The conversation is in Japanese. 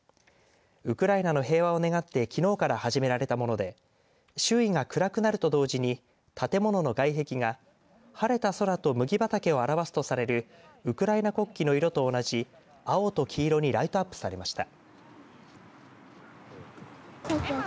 ウクライナの平和を願ってきのうから始められたもので周囲が暗くなると同時に建物の外壁が晴れた空と麦畑を表すとされるウクライナ国旗の色と同じ青と黄色にライトアップされました。